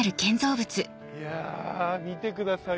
いやぁ見てください